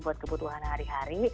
buat kebutuhan hari hari